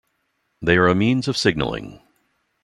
They are a means of signaling.